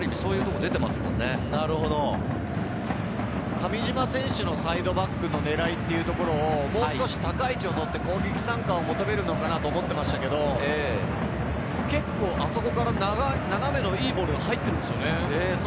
上島選手のサイドバックの狙いというところを、もう少し高い位置をとって攻撃参加を求めるのかと思ったんですが、結構あそこからいいボールが入っているんですよね。